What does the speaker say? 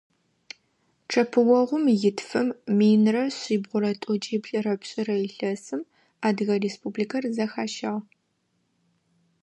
Чъэпыогъум итфым минрэ шъибгьурэ тӀокӀиплӀырэ пшӀырэ илъэсым Адыгэ Республикэр зэхащагъ.